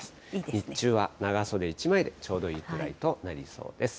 日中は長袖１枚でちょうどいいくらいとなりそうです。